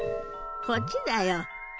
こっちだよ。